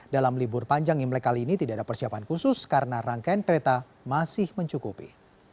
dalam libur panjang imlek kali ini tidak ada persiapan khusus karena rangkaian kereta masih mencukupi